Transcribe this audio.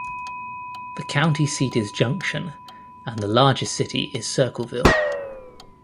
The county seat is Junction, and the largest city is Circleville.